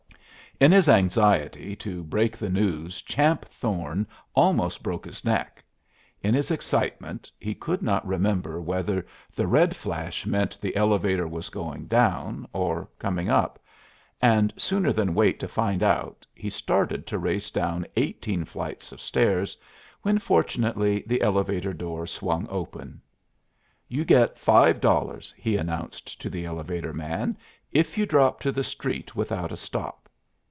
In his anxiety to break the news Champ Thorne almost broke his neck. In his excitement he could not remember whether the red flash meant the elevator was going down or coming up, and sooner than wait to find out he started to race down eighteen flights of stairs when fortunately the elevator door swung open. "You get five dollars," he announced to the elevator man, "if you drop to the street without a stop.